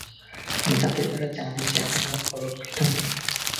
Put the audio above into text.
যাতে তারা জানে যে আমরা অরক্ষিত নই।